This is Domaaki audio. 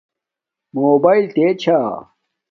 موباݵل تے ثھا